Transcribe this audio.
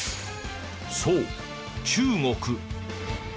そう中国。